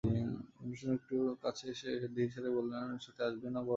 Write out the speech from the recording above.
মধুসূদন একটু কাছে এগিয়ে এসে ধীর স্বরে বললে, শুতে আসবে না বড়োবউ?